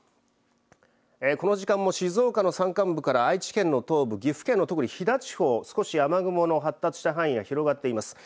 この時間も静岡の山間部から愛知県の東部、岐阜県の東部、飛騨地方、少し雨雲の発達した範囲が広がっています。